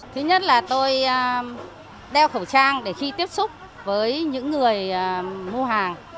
thứ nhất là tôi đeo khẩu trang để khi tiếp xúc với những người mua hàng